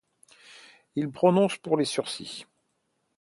Il se prononça pour le sursis.